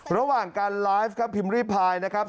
ระหว่างการไลฟ์ครับพิมพ์ริพายนะครับ